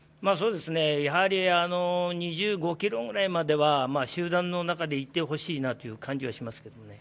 やはり２５ｋｍぐらいまでは集団の中でいてほしいなという感じはしますけどもね。